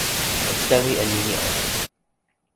o sewi e nimi ona.